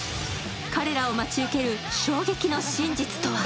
彼らを待ち受ける衝撃の真実とは？